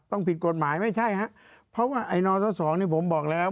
ผิดกฎหมายไม่ใช่ฮะเพราะว่าไอ้นส๒นี่ผมบอกแล้ว